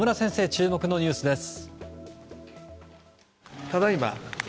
注目のニュースです。